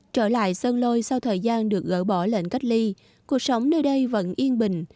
trở lại sơn lôi sau thời gian được gỡ bỏ lệnh cách ly cuộc sống nơi đây vẫn yên bình